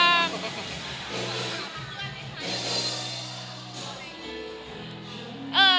แล้วคุณผู้ชายไม่ใช่หรือ